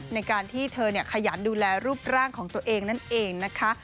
ในการที่เธอขยันดูแลรูปร่างของตัวเองนั่นเองนะคะ